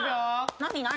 何何？